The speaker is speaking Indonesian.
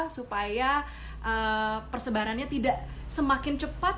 supaya persebarannya tidak semakin cepat